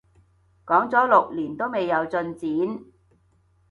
講咗六年都未有進展